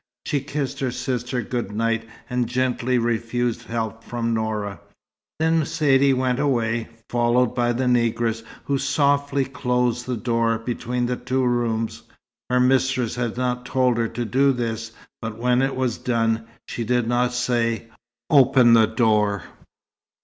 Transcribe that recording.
She kissed her sister good night, and gently refused help from Noura. Then Saidee went away, followed by the negress, who softly closed the door between the two rooms. Her mistress had not told her to do this, but when it was done, she did not say, "Open the door."